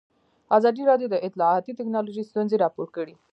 ازادي راډیو د اطلاعاتی تکنالوژي ستونزې راپور کړي.